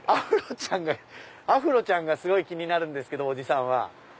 アフロちゃんがすごい気になるんですけどおじさんは。